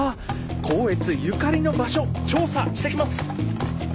光悦ゆかりの場所調査してきます。